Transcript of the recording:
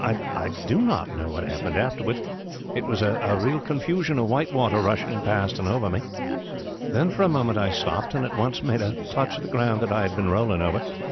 I do not know what happened afterwards. It was a confusion of white water rushing past and over me. Then for a moment I stopped, and at once made a clutch at the ground that I had been rolling over.